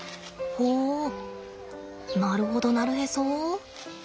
ほうなるほどなるへそ？